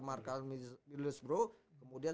markal middle reach bro kemudian